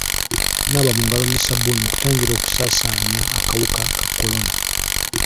Naaba mu ngalo ne sabbuuni okutangira okusaasaanya akawuka ka kolona.